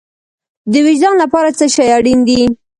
د وجدان لپاره څه شی اړین دی؟